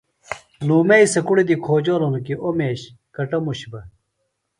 لُومئی سےۡ کُڑیۡ دی کھوجولوۡ ہنوۡ کیۡ اوۡ میش کٹموش بہ